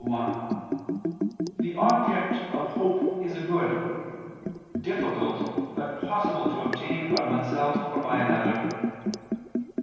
1), the object of hope is a good, difficult but possible to obtain by oneself or by another.